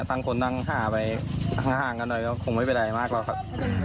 ตั้งคนตั้งหาไปห่างกันหน่อยก็คงไม่เป็นไรมากแล้วครับ